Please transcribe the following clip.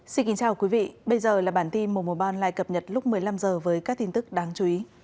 xin kính chào quý vị bây giờ là bản tin mùa mùa ban lại cập nhật lúc một mươi năm h với các tin tức đáng chú ý